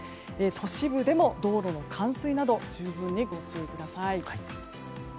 都市部でも道路の冠水など十分にご注意ください。